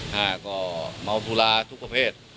ห้าก็เมาสุราทุกประเภท